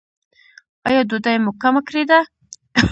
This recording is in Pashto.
ایا ډوډۍ مو کمه کړې ده؟